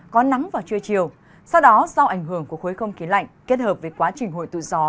có nắng vào trưa chiều sau đó do ảnh hưởng của khối không khí lạnh kết hợp với quá trình hội tụ gió